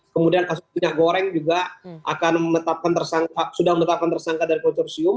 kemudian kasus punya goreng juga akan sudah memetapkan tersangka dari konsorsium